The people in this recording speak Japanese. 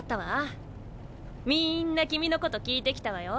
みんな君のこと聞いてきたわよ。